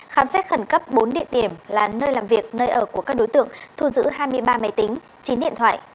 khám xét khẩn cấp bốn địa điểm là nơi làm việc nơi ở của các đối tượng thu giữ hai mươi ba máy tính chín điện thoại